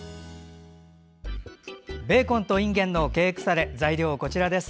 ベーコンといんげんのケークサレの材料です。